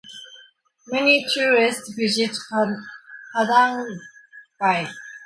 Many tourists visit Padangbai.